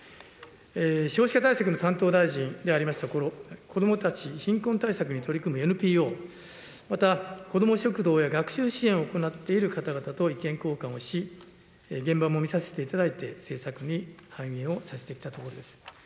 少子化対策の担当大臣でありましたころ、子どもたち、貧困対策に取り組むＮＰＯ、また、こども食堂や学習支援を行っている方々と意見交換をし、現場も見させていただいて、政策に反映をさせてきたところです。